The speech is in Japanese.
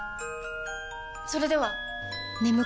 それでは！